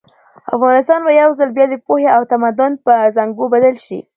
افغانستان به یو ځل بیا د پوهې او تمدن په زانګو بدل شي.